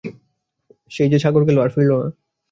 সেই যে সাগর গেল আর ফিরল না।